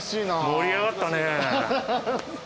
盛り上がったね。